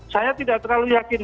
saya tidak terlalu yakin